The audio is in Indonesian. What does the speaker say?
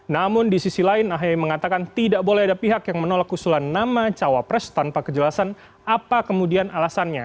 namun di sisi lain ahy mengatakan tidak boleh ada pihak yang menolak usulan nama cawapres tanpa kejelasan apa kemudian alasannya